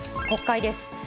国会です。